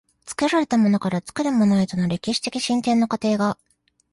作られたものから作るものへとの歴史的進展の過程が、